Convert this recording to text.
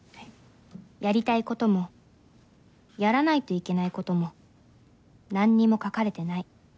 やりたいこともやらないといけないことも何にも書かれてない。